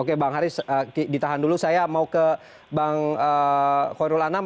oke bang haris ditahan dulu saya mau ke bang hoirul anam